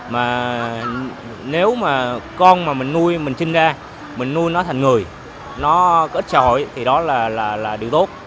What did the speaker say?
mà nếu mà con mà mình nuôi mình sinh ra mình nuôi nó thành người nó có ích xã hội thì đó là điều tốt